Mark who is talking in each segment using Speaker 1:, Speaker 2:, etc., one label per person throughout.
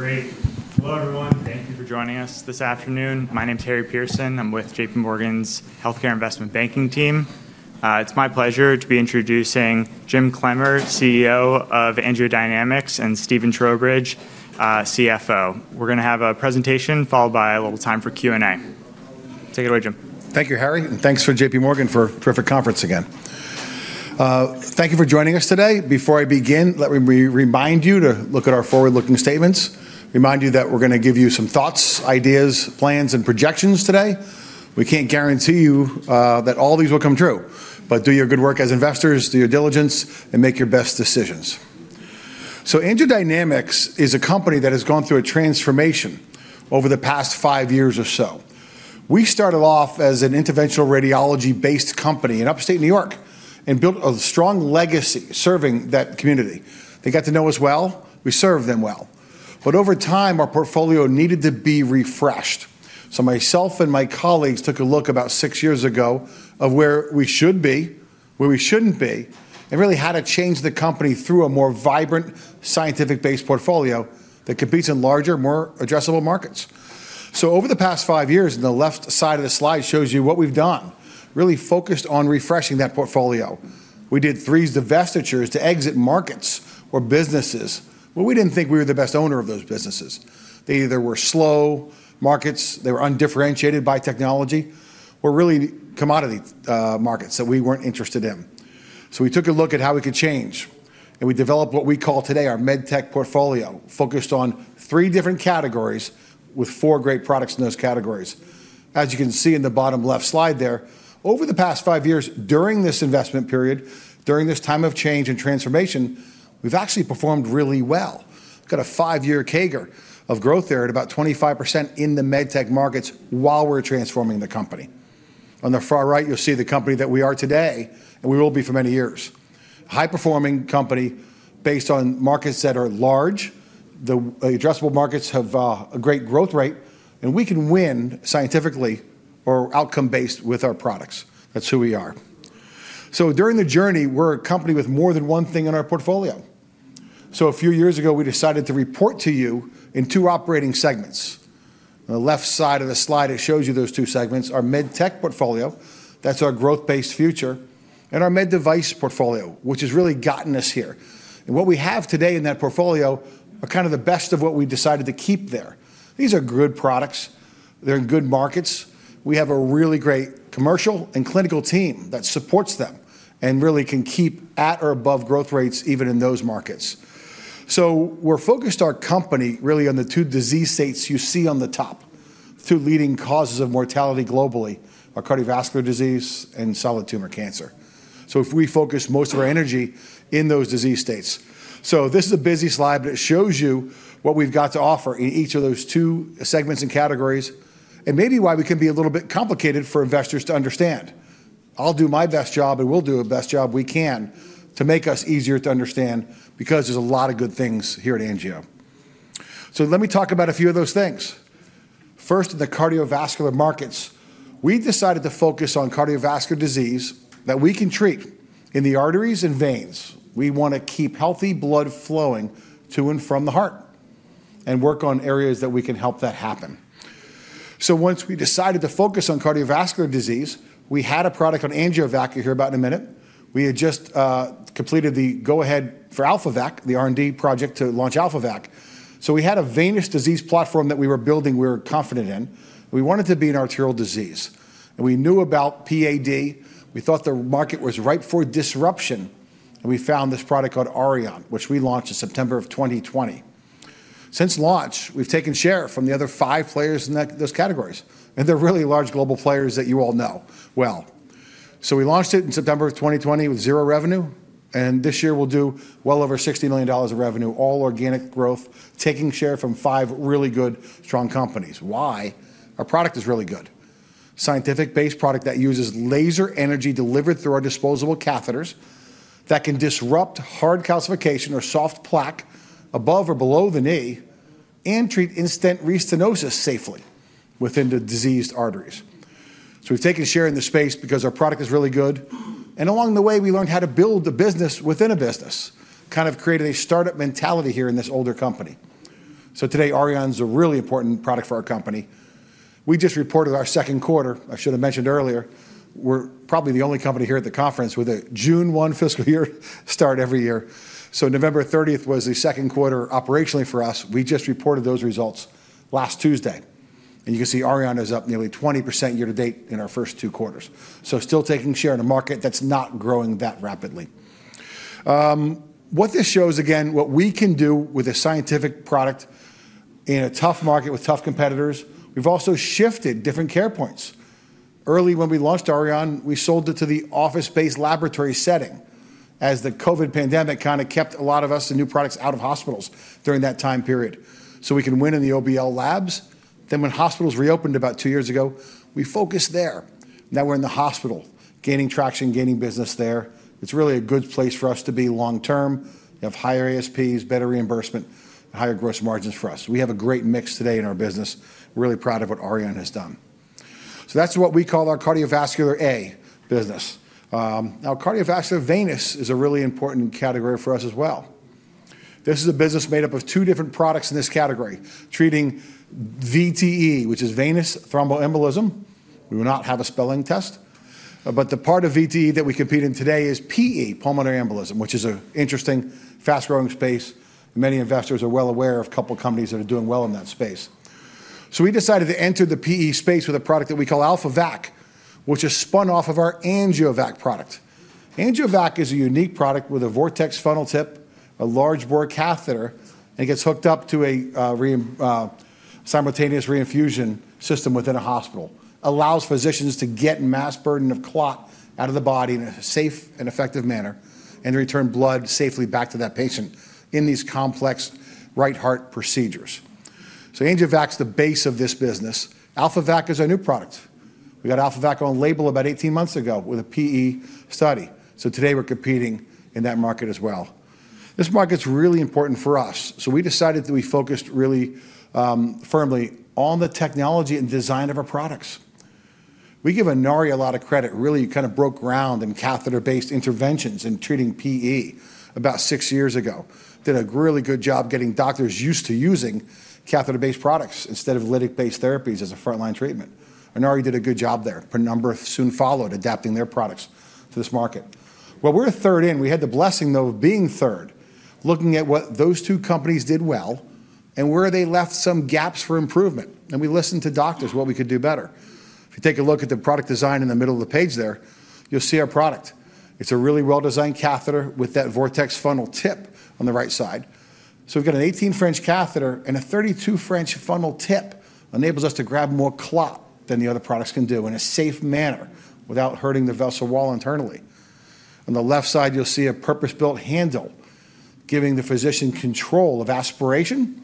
Speaker 1: Great. Hello, everyone. Thank you for joining us this afternoon. My name is Harry Pearson. I'm with J.P. Morgan's Healthcare Investment Banking team. It's my pleasure to be introducing Jim Clemmer, CEO of AngioDynamics, and Stephen Trowbridge, CFO. We're going to have a presentation followed by a little time for Q&A. Take it away, Jim.
Speaker 2: Thank you, Harry. And thanks to J.P. Morgan for a terrific conference again. Thank you for joining us today. Before I begin, let me remind you to look at our forward-looking statements, remind you that we're going to give you some thoughts, ideas, plans, and projections today. We can't guarantee you that all these will come true, but do your good work as investors, do your diligence, and make your best decisions. AngioDynamics is a company that has gone through a transformation over the past five years or so. We started off as an interventional radiology-based company in Upstate New York and built a strong legacy serving that community. They got to know us well. We served them well. But over time, our portfolio needed to be refreshed. So myself and my colleagues took a look about six years ago at where we should be, where we shouldn't be, and really how to change the company through a more vibrant, scientific-based portfolio that competes in larger, more addressable markets. So over the past five years, and the left side of the slide shows you what we've done, really focused on refreshing that portfolio. We did three divestitures to exit markets or businesses where we didn't think we were the best owner of those businesses. They either were slow markets, they were undifferentiated by technology, or really commodity markets that we weren't interested in. So we took a look at how we could change, and we developed what we call today our MedTech portfolio, focused on three different categories with four great products in those categories. As you can see in the bottom left slide there, over the past five years, during this investment period, during this time of change and transformation, we've actually performed really well. We've got a five-year CAGR of growth there at about 25% in the MedTech markets while we're transforming the company. On the far right, you'll see the company that we are today and we will be for many years. A high-performing company based on markets that are large, the addressable markets have a great growth rate, and we can win scientifically or outcome-based with our products. That's who we are. So during the journey, we're a company with more than one thing in our portfolio. So a few years ago, we decided to report to you in two operating segments. On the left side of the slide, it shows you those two segments: our MedTech portfolio, that's our growth-based future, and our Med Device portfolio, which has really gotten us here. And what we have today in that portfolio are kind of the best of what we decided to keep there. These are good products. They're in good markets. We have a really great commercial and clinical team that supports them and really can keep at or above growth rates even in those markets. So we're focused our company really on the two disease states you see on the top, two leading causes of mortality globally: our cardiovascular disease and solid tumor cancer. So we focus most of our energy in those disease states. This is a busy slide that shows you what we've got to offer in each of those two segments and categories and maybe why we can be a little bit complicated for investors to understand. I'll do my best job, and we'll do the best job we can to make us easier to understand because there's a lot of good things here at Angio. Let me talk about a few of those things. First, the cardiovascular markets. We decided to focus on cardiovascular disease that we can treat in the arteries and veins. We want to keep healthy blood flowing to and from the heart and work on areas that we can help that happen. Once we decided to focus on cardiovascular disease, we had a product on AngioVac here, about in a minute. We had just completed the go-ahead for AlphaVac, the R&D project to launch AlphaVac, so we had a venous disease platform that we were building, we were confident in. We wanted to be in arterial disease, and we knew about PAD. We thought the market was ripe for disruption, and we found this product called Auryon, which we launched in September of 2020. Since launch, we've taken share from the other five players in those categories, and they're really large global players that you all know well. So we launched it in September of 2020 with zero revenue, and this year, we'll do well over $60 million of revenue, all organic growth, taking share from five really good, strong companies. Why? Our product is really good. Scientific-based product that uses laser energy delivered through our disposable catheters that can disrupt hard calcification or soft plaque above or below the knee and treat in-stent restenosis safely within the diseased arteries. So we've taken share in the space because our product is really good. And along the way, we learned how to build a business within a business, kind of created a startup mentality here in this older company. So today, Auryon is a really important product for our company. We just reported our second quarter. I should have mentioned earlier, we're probably the only company here at the conference with a June 1 fiscal year start every year. So November 30 was the second quarter operationally for us. We just reported those results last Tuesday. And you can see Auryon is up nearly 20% year to date in our first two quarters. So still taking share in a market that's not growing that rapidly. What this shows, again, what we can do with a scientific product in a tough market with tough competitors. We've also shifted different care points. Early when we launched Auryon, we sold it to the office-based laboratory setting as the COVID pandemic kind of kept a lot of us and new products out of hospitals during that time period. So we can win in the OBL labs. Then when hospitals reopened about two years ago, we focused there. Now we're in the hospital, gaining traction, gaining business there. It's really a good place for us to be long term, have higher ASPs, better reimbursement, higher gross margins for us. We have a great mix today in our business. We're really proud of what Auryon has done. So that's what we call our cardiovascular A business. Now, cardiovascular venous is a really important category for us as well. This is a business made up of two different products in this category, treating VTE, which is venous thromboembolism. We will not have a spelling test. But the part of VTE that we compete in today is PE, pulmonary embolism, which is an interesting, fast-growing space. Many investors are well aware of a couple of companies that are doing well in that space. So we decided to enter the PE space with a product that we call AlphaVac, which is spun off of our AngioVac product. AngioVac is a unique product with a vortex funnel tip, a large bore catheter, and it gets hooked up to a simultaneous reinfusion system within a hospital. It allows physicians to get mass burden of clot out of the body in a safe and effective manner and return blood safely back to that patient in these complex right heart procedures. AngioVac is the base of this business. AlphaVac is our new product. We got AlphaVac on-label about 18 months ago with a PE study. Today, we're competing in that market as well. This market's really important for us. We decided that we focused really firmly on the technology and design of our products. We give Inari a lot of credit. It really kind of broke ground in catheter-based interventions and treating PE about six years ago, did a really good job getting doctors used to using catheter-based products instead of lytic-based therapies as a frontline treatment. Inari did a good job there. A number soon followed adapting their products to this market. We're third in. We had the blessing, though, of being third, looking at what those two companies did well and where they left some gaps for improvement. We listened to doctors, what we could do better. If you take a look at the product design in the middle of the page there, you'll see our product. It's a really well-designed catheter with that vortex funnel tip on the right side. So we've got an 18-French catheter and a 32-French funnel tip that enables us to grab more clot than the other products can do in a safe manner without hurting the vessel wall internally. On the left side, you'll see a purpose-built handle giving the physician control of aspiration,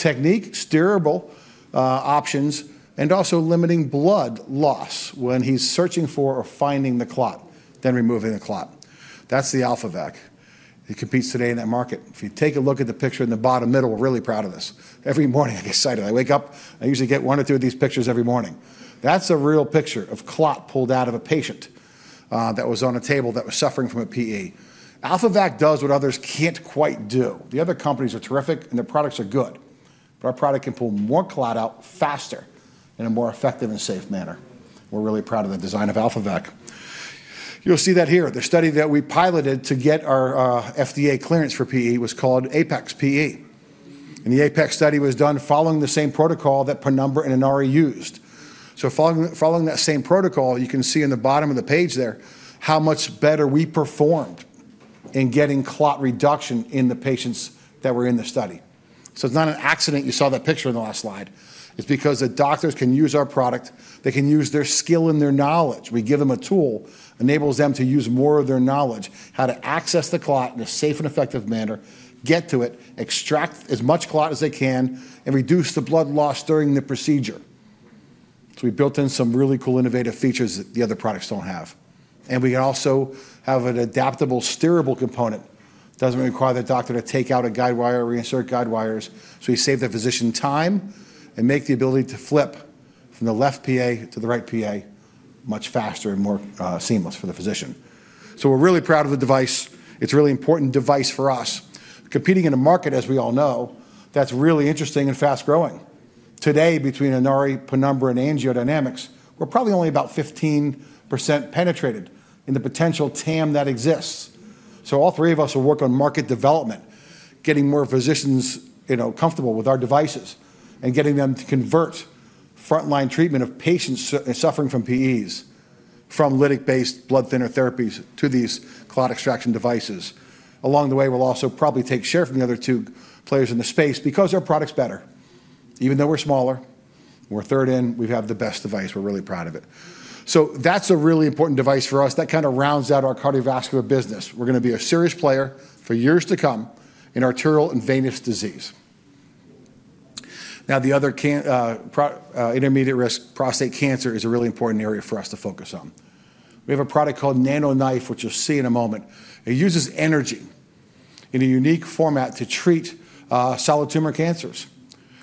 Speaker 2: technique, steerable options, and also limiting blood loss when he's searching for or finding the clot, then removing the clot. That's the AlphaVac. It competes today in that market. If you take a look at the picture in the bottom middle, we're really proud of this. Every morning, I get excited. I wake up. I usually get one or two of these pictures every morning. That's a real picture of clot pulled out of a patient that was on a table that was suffering from a PE. AlphaVac does what others can't quite do. The other companies are terrific, and their products are good. But our product can pull more clot out faster in a more effective and safe manner. We're really proud of the design of AlphaVac. You'll see that here. The study that we piloted to get our FDA clearance for PE was called APEX-PE, and the APEX study was done following the same protocol that Penumbra and Inari used. Following that same protocol, you can see in the bottom of the page there how much better we performed in getting clot reduction in the patients that were in the study. It's not an accident you saw that picture in the last slide. It's because the doctors can use our product. They can use their skill and their knowledge. We give them a tool that enables them to use more of their knowledge, how to access the clot in a safe and effective manner, get to it, extract as much clot as they can, and reduce the blood loss during the procedure. We built in some really cool, innovative features that the other products don't have. We can also have an adaptable, steerable component. It doesn't require the doctor to take out a guidewire or reinsert guidewires. We save the physician time and make the ability to flip from the left PA to the right PA much faster and more seamless for the physician. So we're really proud of the device. It's a really important device for us. Competing in a market, as we all know, that's really interesting and fast-growing. Today, between Inari, Penumbra, and AngioDynamics, we're probably only about 15% penetrated in the potential TAM that exists. So all three of us will work on market development, getting more physicians comfortable with our devices and getting them to convert frontline treatment of patients suffering from PEs from lytic-based blood thinner therapies to these clot extraction devices. Along the way, we'll also probably take share from the other two players in the space because our product's better. Even though we're smaller, we're third in, we have the best device. We're really proud of it. So that's a really important device for us that kind of rounds out our cardiovascular business. We're going to be a serious player for years to come in arterial and venous disease. Now, the other intermediate risk, prostate cancer, is a really important area for us to focus on. We have a product called NanoKnife, which you'll see in a moment. It uses energy in a unique format to treat solid tumor cancers.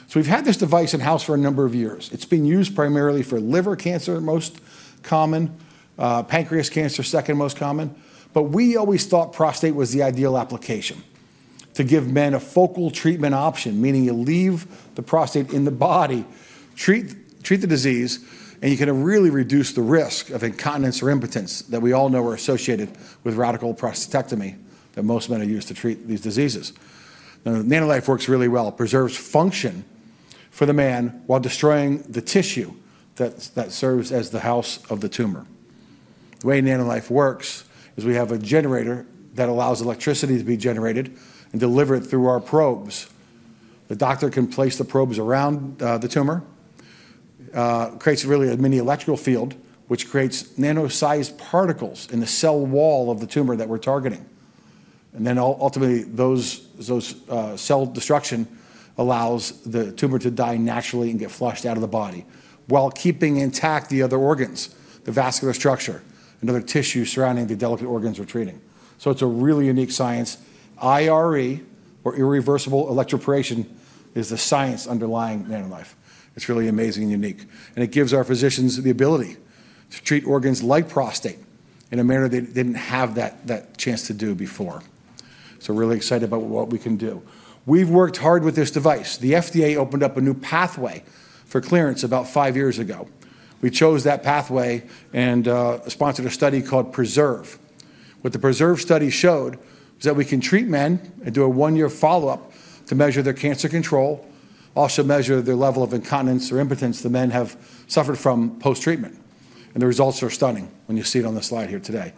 Speaker 2: So we've had this device in-house for a number of years. It's been used primarily for liver cancer, most common, pancreas cancer, second most common. We always thought prostate was the ideal application to give men a focal treatment option, meaning you leave the prostate in the body, treat the disease, and you can really reduce the risk of incontinence or impotence that we all know are associated with radical prostatectomy that most men are used to treat these diseases. Now, NanoKnife works really well, preserves function for the man while destroying the tissue that serves as the house of the tumor. The way NanoKnife works is we have a generator that allows electricity to be generated and delivered through our probes. The doctor can place the probes around the tumor, creates really a mini electrical field, which creates nano-sized particles in the cell wall of the tumor that we're targeting. And then ultimately, those cell destruction allows the tumor to die naturally and get flushed out of the body while keeping intact the other organs, the vascular structure, and other tissues surrounding the delicate organs we're treating. So it's a really unique science. IRE, or irreversible electroporation, is the science underlying NanoKnife. It's really amazing and unique. And it gives our physicians the ability to treat organs like prostate in a manner they didn't have that chance to do before. So really excited about what we can do. We've worked hard with this device. The FDA opened up a new pathway for clearance about five years ago. We chose that pathway and sponsored a study called PRESERVE. What the PRESERVE study showed is that we can treat men and do a one-year follow-up to measure their cancer control, also measure their level of incontinence or impotence the men have suffered from post-treatment, and the results are stunning when you see it on the slide here today,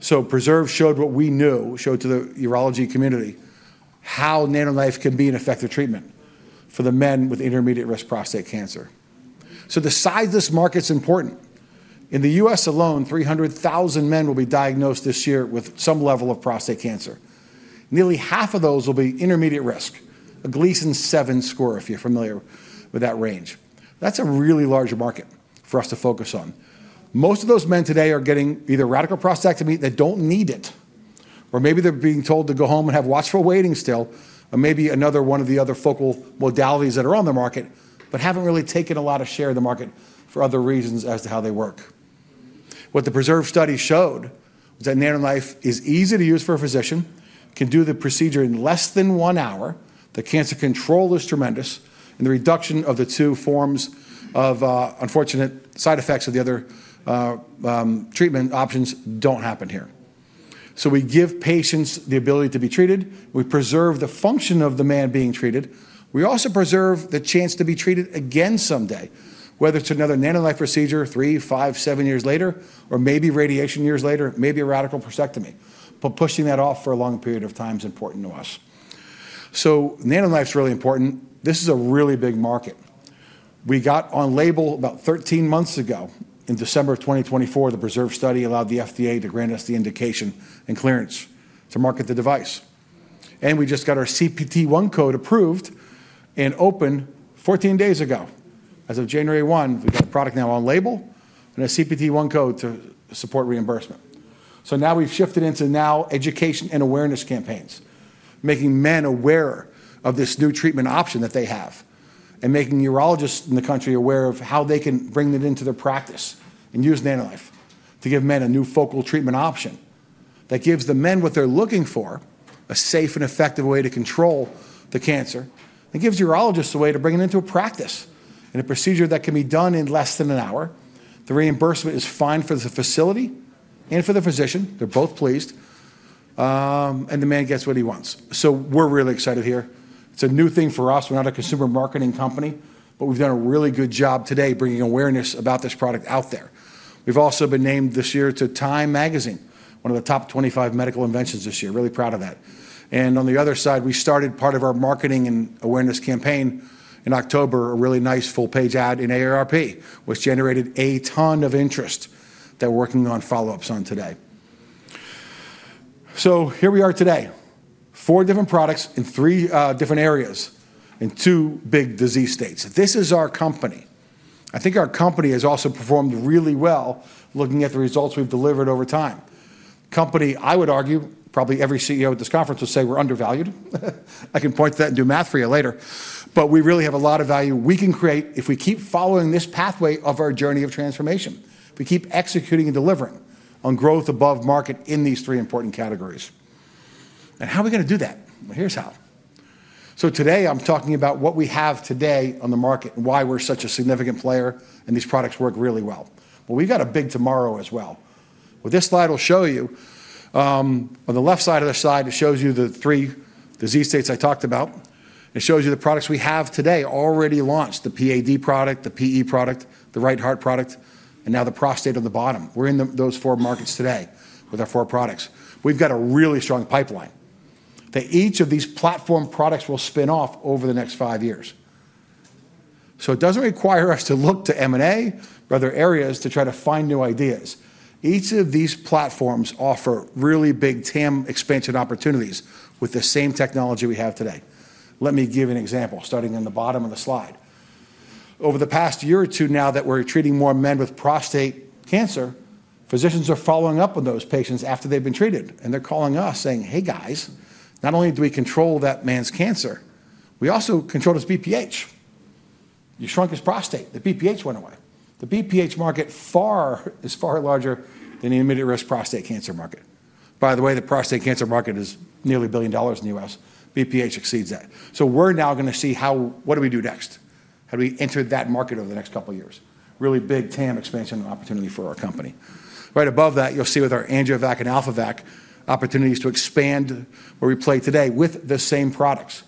Speaker 2: so PRESERVE showed what we knew, showed to the urology community how NanoKnife can be an effective treatment for the men with intermediate risk prostate cancer, so the size of this market's important. In the U.S. alone, 300,000 men will be diagnosed this year with some level of prostate cancer. Nearly half of those will be intermediate risk, a Gleason 7 score if you're familiar with that range. That's a really large market for us to focus on. Most of those men today are getting either radical prostatectomy that don't need it, or maybe they're being told to go home and have watchful waiting still, or maybe another one of the other focal modalities that are on the market, but haven't really taken a lot of share of the market for other reasons as to how they work. What the PRESERVE study showed was that NanoKnife is easy to use for a physician, can do the procedure in less than one hour, the cancer control is tremendous, and the reduction of the two forms of unfortunate side effects of the other treatment options don't happen here. So we give patients the ability to be treated. We preserve the function of the man being treated. We also preserve the chance to be treated again someday, whether it's another NanoKnife procedure three, five, seven years later, or maybe radiation years later, maybe a radical prostatectomy. But pushing that off for a long period of time is important to us. So NanoKnife's really important. This is a really big market. We got on-label about 13 months ago. In December of 2024, the PRESERVE study allowed the FDA to grant us the indication and clearance to market the device. And we just got CPT I code approved and opened 14 days ago. As of January 1, we've got a product now on-label and CPT I code to support reimbursement. So now we've shifted into education and awareness campaigns, making men aware of this new treatment option that they have and making urologists in the country aware of how they can bring it into their practice and use NanoKnife to give men a new focal treatment option that gives the men what they're looking for, a safe and effective way to control the cancer. It gives urologists a way to bring it into a practice and a procedure that can be done in less than an hour. The reimbursement is fine for the facility and for the physician. They're both pleased, and the man gets what he wants. So we're really excited here. It's a new thing for us. We're not a consumer marketing company, but we've done a really good job to date bringing awareness about this product out there. We've also been named this year to Time magazine, one of the top 25 medical inventions this year. Really proud of that and on the other side, we started part of our marketing and awareness campaign in October, a really nice full-page ad in AARP, which generated a ton of interest that we're working on follow-ups on today, so here we are today, four different products in three different areas in two big disease states. This is our company. I think our company has also performed really well looking at the results we've delivered over time. Company, I would argue probably every CEO at this conference will say we're undervalued. I can point to that and do math for you later. But we really have a lot of value we can create if we keep following this pathway of our journey of transformation, if we keep executing and delivering on growth above market in these three important categories. And how are we going to do that? Well, here's how. So today, I'm talking about what we have today on the market and why we're such a significant player and these products work really well. Well, we've got a big tomorrow as well. With this slide, I'll show you on the left side of the slide, it shows you the three disease states I talked about. It shows you the products we have today already launched, the PAD product, the PE product, the right heart product, and now the prostate on the bottom. We're in those four markets today with our four products. We've got a really strong pipeline that each of these platform products will spin off over the next five years, so it doesn't require us to look to M&A or other areas to try to find new ideas. Each of these platforms offer really big TAM expansion opportunities with the same technology we have today. Let me give you an example starting in the bottom of the slide. Over the past year or two now that we're treating more men with prostate cancer, physicians are following up on those patients after they've been treated, and they're calling us saying, "Hey, guys, not only do we control that man's cancer, we also control his BPH. You've shrunk his prostate. The BPH market is far larger than the intermediate risk prostate cancer market. By the way, the prostate cancer market is nearly $1 billion in the U.S. BPH exceeds that. So we're now going to see what do we do next? How do we enter that market over the next couple of years? Really big TAM expansion opportunity for our company. Right above that, you'll see with our AngioVac and AlphaVac opportunities to expand where we play today with the same products.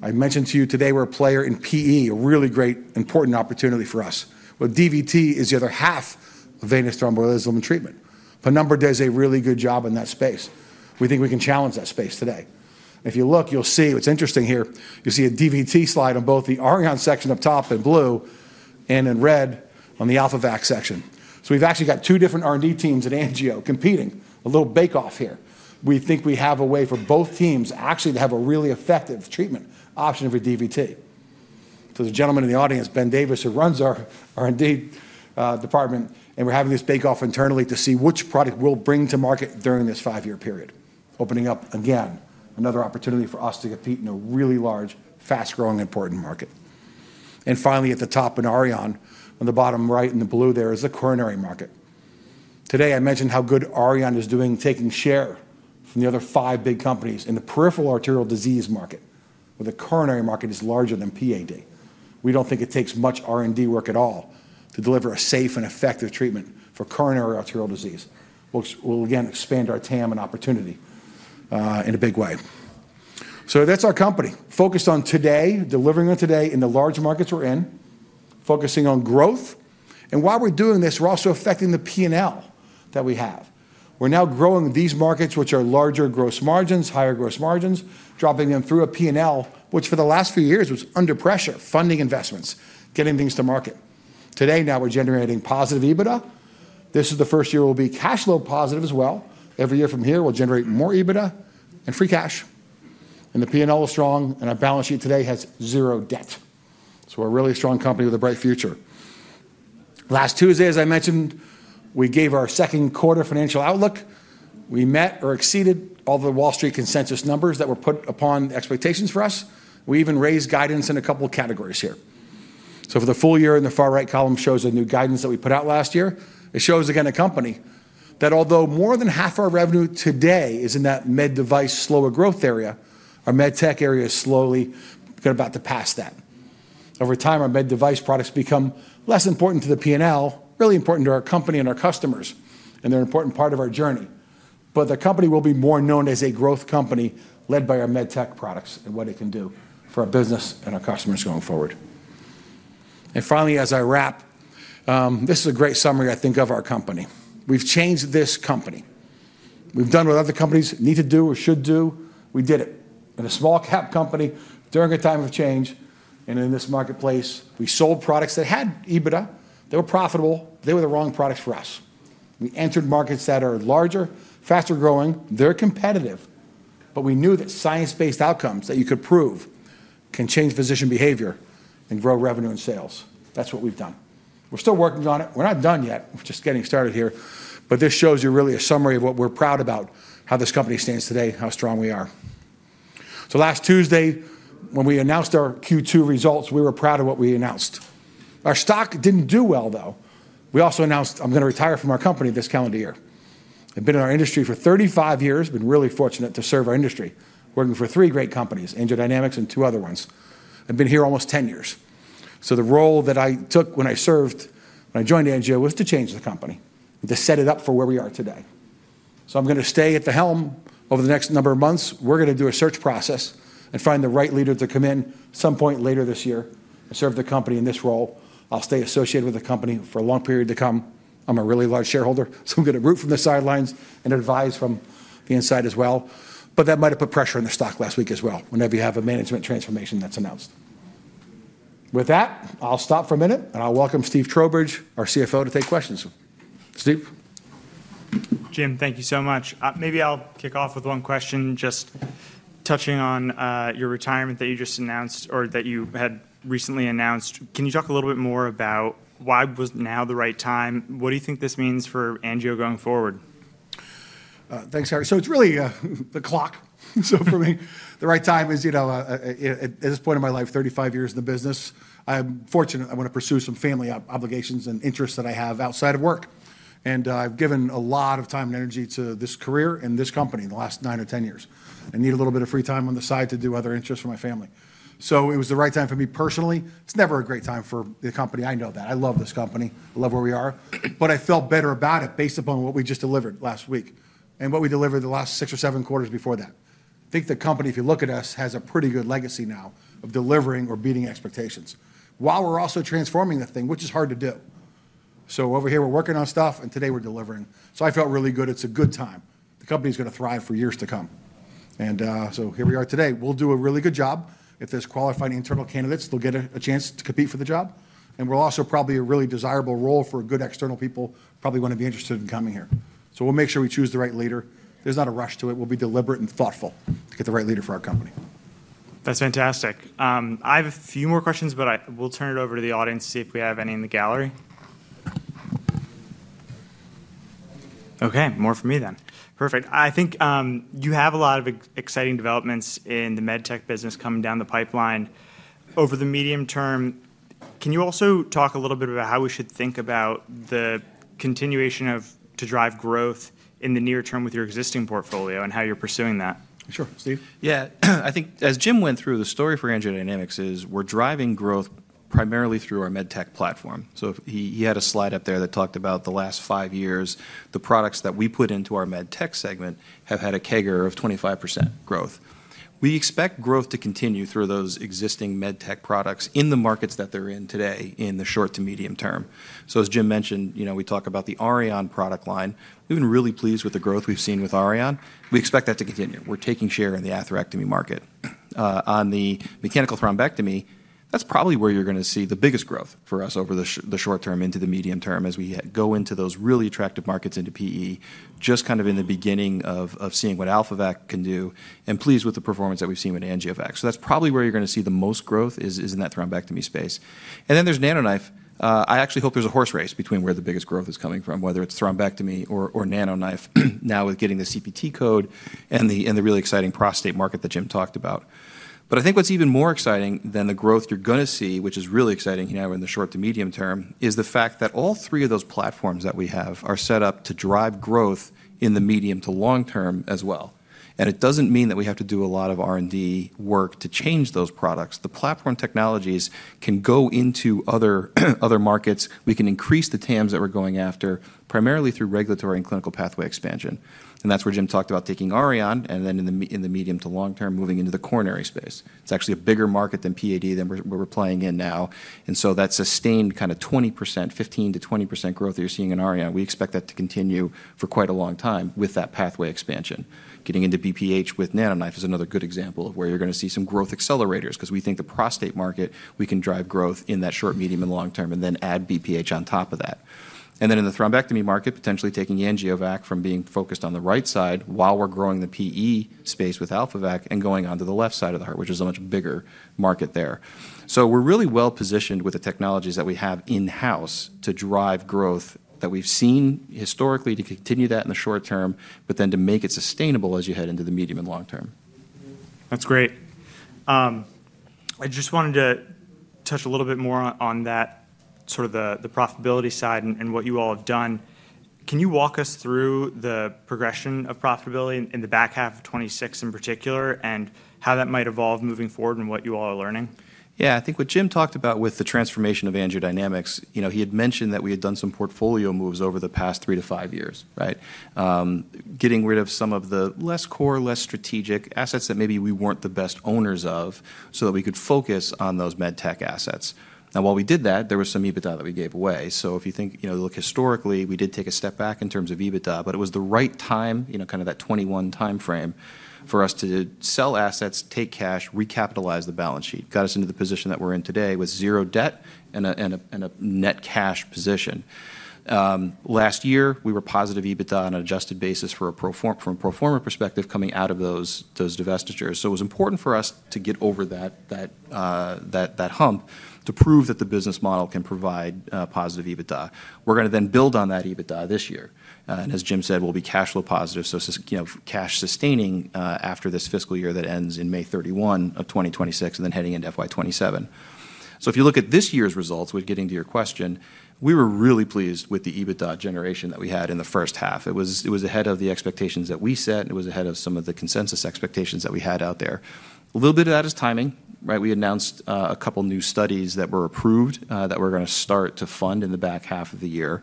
Speaker 2: I mentioned to you today, we're a player in PE, a really great, important opportunity for us. Well, DVT is the other half of venous thromboembolism treatment. Penumbra does a really good job in that space. We think we can challenge that space today. If you look, you'll see what's interesting here. You see a DVT slide on both the Inari section up top in blue and in red on the AlphaVac section. So we've actually got two different R&D teams at Angio competing, a little bake-off here. We think we have a way for both teams actually to have a really effective treatment option for DVT. To the gentleman in the audience, Ben Davis, who runs our R&D department, and we're having this bake-off internally to see which product we'll bring to market during this five-year period. Opening up again, another opportunity for us to compete in a really large, fast-growing, important market. And finally, at the top, an Auryon on the bottom right in the blue, there is the coronary market. Today, I mentioned how good Auryon is doing taking share from the other five big companies in the peripheral arterial disease market, where the coronary market is larger than PAD. We don't think it takes much R&D work at all to deliver a safe and effective treatment for coronary arterial disease. We'll again expand our TAM and opportunity in a big way. So that's our company focused on today, delivering on today in the large markets we're in, focusing on growth. And while we're doing this, we're also affecting the P&L that we have. We're now growing these markets, which are larger gross margins, higher gross margins, dropping them through a P&L, which for the last few years was under pressure, funding investments, getting things to market. Today, now we're generating positive EBITDA. This is the first year we'll be cash flow positive as well. Every year from here, we'll generate more EBITDA and free cash. And the P&L is strong, and our balance sheet today has zero debt. So we're a really strong company with a bright future. Last Tuesday, as I mentioned, we gave our second quarter financial outlook. We met or exceeded all the Wall Street consensus numbers that were put upon expectations for us. We even raised guidance in a couple of categories here. So for the full year in the far right column shows the new guidance that we put out last year. It shows again a company that although more than half our revenue today is in that Med Device slower growth area, our MedTech area is slowly about to pass that. Over time, our Med Device products become less important to the P&L, really important to our company and our customers, and they're an important part of our journey. But the company will be more known as a growth company led by our MedTech products and what it can do for our business and our customers going forward. And finally, as I wrap, this is a great summary, I think, of our company. We've changed this company. We've done what other companies need to do or should do. We did it. We're a small-cap company during a time of change, and in this marketplace, we sold products that had EBITDA. They were profitable. They were the wrong products for us. We entered markets that are larger, faster-growing. They're competitive, but we knew that science-based outcomes that you could prove can change physician behavior and grow revenue and sales. That's what we've done. We're still working on it. We're not done yet. We're just getting started here, but this shows you really a summary of what we're proud about, how this company stands today, how strong we are, so last Tuesday, when we announced our Q2 results, we were proud of what we announced. Our stock didn't do well, though. We also announced, "I'm going to retire from our company this calendar year." I've been in our industry for 35 years. I've been really fortunate to serve our industry, working for three great companies, AngioDynamics and two other ones. I've been here almost 10 years. So the role that I took when I served, when I joined Angio, was to change the company and to set it up for where we are today. So I'm going to stay at the helm over the next number of months. We're going to do a search process and find the right leader to come in at some point later this year and serve the company in this role. I'll stay associated with the company for a long period to come. I'm a really large shareholder, so I'm going to root from the sidelines and advise from the inside as well. But that might have put pressure on the stock last week as well whenever you have a management transformation that's announced. With that, I'll stop for a minute, and I'll welcome Steve Trowbridge, our CFO, to take questions. Steve.
Speaker 1: Jim, thank you so much. Maybe I'll kick off with one question, just touching on your retirement that you just announced or that you had recently announced. Can you talk a little bit more about why was now the right time? What do you think this means for Angio going forward?
Speaker 2: Thanks, Harry. So it's really the clock. So for me, the right time is at this point in my life, 35 years in the business. I'm fortunate. I want to pursue some family obligations and interests that I have outside of work. And I've given a lot of time and energy to this career and this company in the last nine or 10 years. I need a little bit of free time on the side to do other interests for my family. So it was the right time for me personally. It's never a great time for the company. I know that. I love this company. I love where we are. But I felt better about it based upon what we just delivered last week and what we delivered the last six or seven quarters before that. I think the company, if you look at us, has a pretty good legacy now of delivering or beating expectations while we're also transforming the thing, which is hard to do. So over here, we're working on stuff, and today we're delivering. So I felt really good. It's a good time. The company is going to thrive for years to come. And so here we are today. We'll do a really good job. If there's qualified internal candidates, they'll get a chance to compete for the job. And we'll also probably have a really desirable role for good external people, probably want to be interested in coming here. So we'll make sure we choose the right leader. There's not a rush to it. We'll be deliberate and thoughtful to get the right leader for our company.
Speaker 1: That's fantastic. I have a few more questions, but we'll turn it over to the audience to see if we have any in the gallery. Okay. More for me then. Perfect. I think you have a lot of exciting developments in the med tech business coming down the pipeline over the medium term. Can you also talk a little bit about how we should think about the continuation to drive growth in the near term with your existing portfolio and how you're pursuing that?
Speaker 2: Sure. Steve?
Speaker 3: Yeah. I think as Jim went through, the story for AngioDynamics is we're driving growth primarily through our MedTech platform, so he had a slide up there that talked about the last five years. The products that we put into our MedTech segment have had a CAGR of 25% growth. We expect growth to continue through those existing MedTech products in the markets that they're in today in the short to medium term, so as Jim mentioned, we talk about the IRE product line. We've been really pleased with the growth we've seen with IRE. We expect that to continue. We're taking share in the atherectomy market. On the mechanical thrombectomy, that's probably where you're going to see the biggest growth for us over the short term into the medium term as we go into those really attractive markets into PE, just kind of in the beginning of seeing what AlphaVac can do and pleased with the performance that we've seen with AngioVac. So that's probably where you're going to see the most growth is in that thrombectomy space. And then there's NanoKnife. I actually hope there's a horse race between where the biggest growth is coming from, whether it's thrombectomy or NanoKnife, now with getting the CPT code and the really exciting prostate market that Jim talked about. But I think what's even more exciting than the growth you're going to see, which is really exciting now in the short to medium term, is the fact that all three of those platforms that we have are set up to drive growth in the medium to long term as well. And it doesn't mean that we have to do a lot of R&D work to change those products. The platform technologies can go into other markets. We can increase the TAMs that we're going after primarily through regulatory and clinical pathway expansion. And that's where Jim talked about taking IRE and then in the medium to long term moving into the coronary space. It's actually a bigger market than PAD than we're playing in now. And so that sustained kind of 20%, 15%-20% growth that you're seeing in Auryon, we expect that to continue for quite a long time with that pathway expansion. Getting into BPH with NanoKnife is another good example of where you're going to see some growth accelerators because we think the prostate market, we can drive growth in that short, medium, and long term and then add BPH on top of that. And then in the thrombectomy market, potentially taking AngioVac from being focused on the right side while we're growing the PE space with AlphaVac and going on to the left side of the heart, which is a much bigger market there. So we're really well positioned with the technologies that we have in-house to drive growth that we've seen historically to continue that in the short term, but then to make it sustainable as you head into the medium and long term.
Speaker 1: That's great. I just wanted to touch a little bit more on that sort of the profitability side and what you all have done. Can you walk us through the progression of profitability in the back half of 2026 in particular and how that might evolve moving forward and what you all are learning?
Speaker 3: Yeah. I think what Jim talked about with the transformation of AngioDynamics, he had mentioned that we had done some portfolio moves over the past three to five years, right? Getting rid of some of the less core, less strategic assets that maybe we weren't the best owners of so that we could focus on those med tech assets. Now, while we did that, there was some EBITDA that we gave away. So if you think historically, we did take a step back in terms of EBITDA, but it was the right time, kind of that 2021 timeframe for us to sell assets, take cash, recapitalize the balance sheet. Got us into the position that we're in today with zero debt and a net cash position. Last year, we were positive EBITDA on an adjusted basis from a performance perspective coming out of those divestitures. So it was important for us to get over that hump to prove that the business model can provide positive EBITDA. We're going to then build on that EBITDA this year. And as Jim said, we'll be cash flow positive, so cash sustaining after this fiscal year that ends in May 31 of 2026 and then heading into FY 2027. So if you look at this year's results, which getting to your question, we were really pleased with the EBITDA generation that we had in the first half. It was ahead of the expectations that we set. It was ahead of some of the consensus expectations that we had out there. A little bit of that is timing, right? We announced a couple of new studies that were approved that we're going to start to fund in the back half of the year.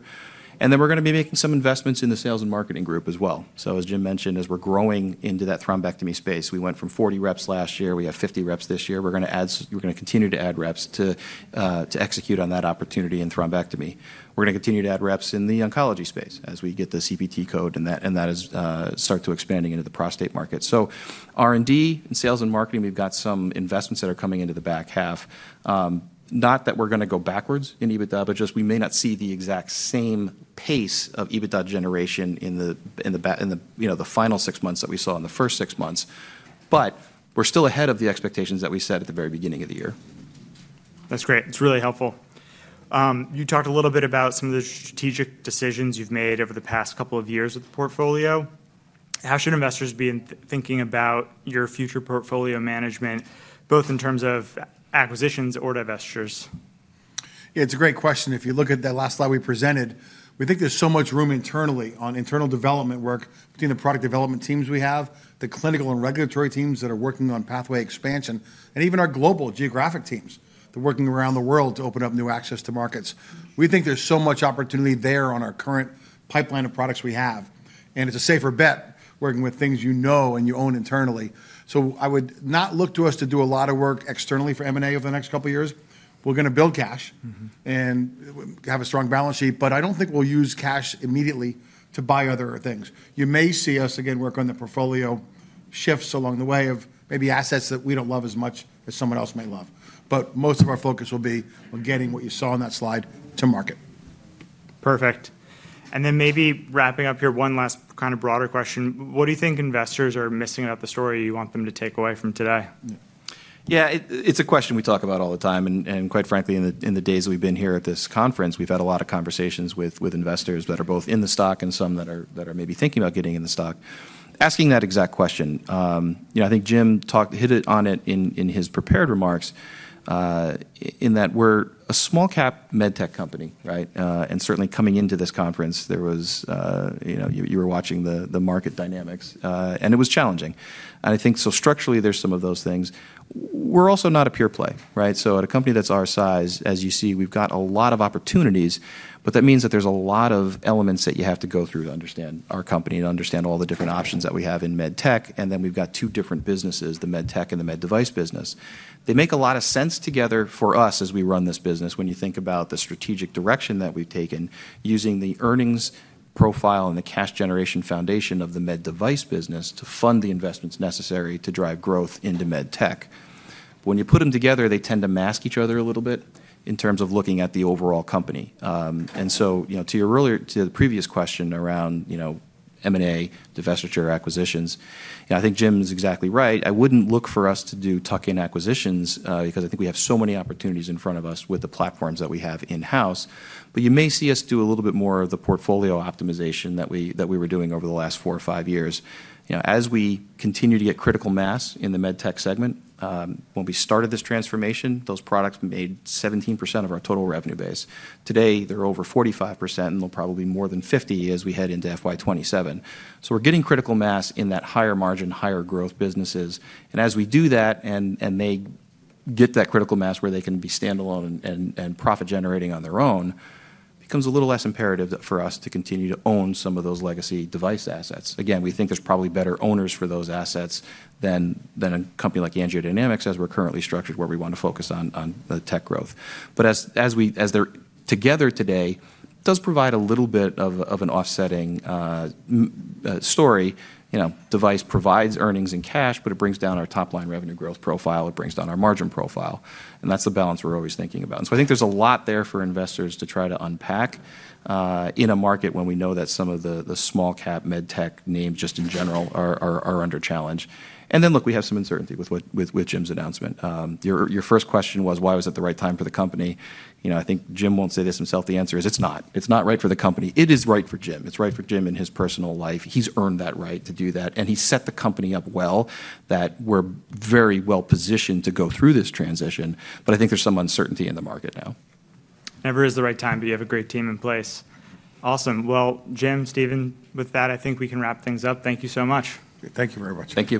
Speaker 3: And then we're going to be making some investments in the sales and marketing group as well. So as Jim mentioned, as we're growing into that thrombectomy space, we went from 40 reps last year. We have 50 reps this year. We're going to add, we're going to continue to add reps to execute on that opportunity in thrombectomy. We're going to continue to add reps in the oncology space as we get the CPT code and that is start to expanding into the prostate market. So R&D and sales and marketing, we've got some investments that are coming into the back half. Not that we're going to go backwards in EBITDA, but just we may not see the exact same pace of EBITDA generation in the final six months that we saw in the first six months. But we're still ahead of the expectations that we set at the very beginning of the year.
Speaker 1: That's great. It's really helpful. You talked a little bit about some of the strategic decisions you've made over the past couple of years with the portfolio. How should investors be thinking about your future portfolio management, both in terms of acquisitions or divestitures?
Speaker 2: Yeah, it's a great question. If you look at that last slide we presented, we think there's so much room internally on internal development work between the product development teams we have, the clinical and regulatory teams that are working on pathway expansion, and even our global geographic teams that are working around the world to open up new access to markets. We think there's so much opportunity there on our current pipeline of products we have. And it's a safer bet working with things you know and you own internally. So I would not look to us to do a lot of work externally for M&A over the next couple of years. We're going to build cash and have a strong balance sheet, but I don't think we'll use cash immediately to buy other things. You may see us again work on the portfolio shifts along the way of maybe assets that we don't love as much as someone else may love. But most of our focus will be on getting what you saw on that slide to market.
Speaker 1: Perfect. And then maybe wrapping up here, one last kind of broader question. What do you think investors are missing about the story you want them to take away from today?
Speaker 3: Yeah, it's a question we talk about all the time. And quite frankly, in the days we've been here at this conference, we've had a lot of conversations with investors that are both in the stock and some that are maybe thinking about getting in the stock. Asking that exact question, I think Jim hit it on it in his prepared remarks in that we're a small-cap med tech company, right? And certainly coming into this conference, there was you were watching the market dynamics, and it was challenging. And I think so structurally, there's some of those things. We're also not a pure play, right? So at a company that's our size, as you see, we've got a lot of opportunities, but that means that there's a lot of elements that you have to go through to understand our company, to understand all the different options that we have in med tech. And then we've got two different businesses, the med tech and the med device business. They make a lot of sense together for us as we run this business when you think about the strategic direction that we've taken using the earnings profile and the cash generation foundation of the med device business to fund the investments necessary to drive growth into med tech. When you put them together, they tend to mask each other a little bit in terms of looking at the overall company. And so to the previous question around M&A, divestiture, acquisitions, I think Jim's exactly right. I wouldn't look for us to do tuck-in acquisitions because I think we have so many opportunities in front of us with the platforms that we have in-house. But you may see us do a little bit more of the portfolio optimization that we were doing over the last four or five years. As we continue to get critical mass in the med tech segment, when we started this transformation, those products made 17% of our total revenue base. Today, they're over 45%, and they'll probably be more than 50% as we head into FY 2027. So we're getting critical mass in that higher margin, higher growth businesses. And as we do that and they get that critical mass where they can be standalone and profit-generating on their own, it becomes a little less imperative for us to continue to own some of those legacy device assets. Again, we think there's probably better owners for those assets than a company like AngioDynamics as we're currently structured where we want to focus on the tech growth. But as they're together today, it does provide a little bit of an offsetting story. Device provides earnings and cash, but it brings down our top-line revenue growth profile. It brings down our margin profile. And that's the balance we're always thinking about. And so I think there's a lot there for investors to try to unpack in a market when we know that some of the small-cap med tech names just in general are under challenge. Then look, we have some uncertainty with Jim's announcement. Your first question was, why was it the right time for the company? I think Jim won't say this himself. The answer is it's not. It's not right for the company. It is right for Jim. It's right for Jim and his personal life. He's earned that right to do that. He set the company up well that we're very well positioned to go through this transition. I think there's some uncertainty in the market now.
Speaker 1: Never is the right time, but you have a great team in place. Awesome. Well, Jim, Steven, with that, I think we can wrap things up. Thank you so much.
Speaker 2: Thank you very much.